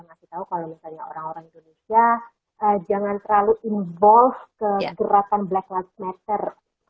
ngasih tau kalau misalnya orang orang indonesia jangan terlalu involve ke gerakan black live matter